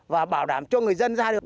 và bảo đảm cho người dân ra được